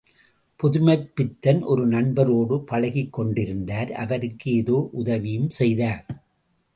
புதுமைப்பித்தன் ஒரு நண்பரோடு பழகிக் கொண்டிருந்தார் அவருக்கு ஏதோ உதவியும் செய்தார்.